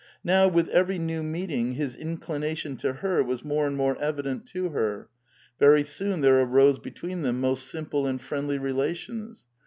Now, with every new meeting, his inclina tion to her was more and more evident to her. Very soon there arose between them most simple and friendly relations.